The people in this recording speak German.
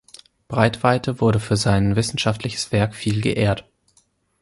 Braithwaite wurde für sein wissenschaftliches Werk viel geehrt.